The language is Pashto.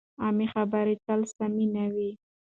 عامې خبرې تل سمې نه وي.